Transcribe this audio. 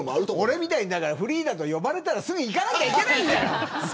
俺みたいにフリーだと呼ばれたらすぐに行かないといけないんだよ。